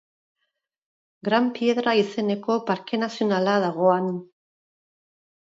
Gran Piedra izeneko parke nazionala dago han.